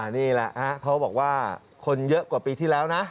นี่แหละเขาบอกว่าคนเยอะกว่าปีที่แล้วนะ